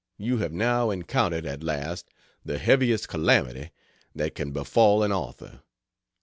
You have now encountered at last the heaviest calamity that can befall an author.